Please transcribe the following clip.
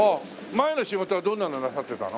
前の仕事はどんなのなさってたの？